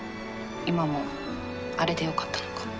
今もあれでよかったのか。